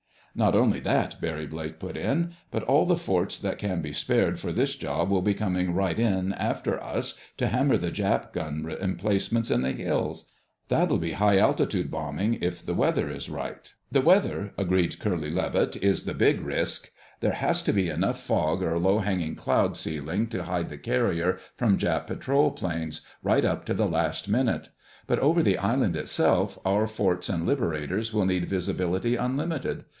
"Not only that," Barry Blake put in, "but all the forts that can be spared for this job will be coming right in after us to hammer the Jap gun emplacements in the hills. That'll be high altitude bombing, if the weather is right." "The weather," agreed Curly Levitt, "is the big risk. There has to be enough fog or low hanging cloud ceiling to hide the carrier from Jap patrol planes, right up to the last minute. But over the island itself our forts and Liberators will need visibility unlimited.